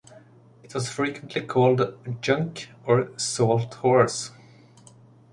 It was frequently called "junk" or "salt horse".